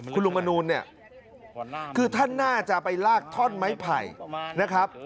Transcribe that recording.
คุณลูกมณูนะคือท่านน่าจะไปลากทอนไม้ไผ่นะครับ